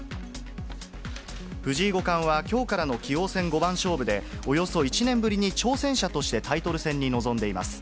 藤井五冠はきょうからの棋王戦五番勝負で、およそ１年ぶりに挑戦者としてタイトル戦に臨んでいます。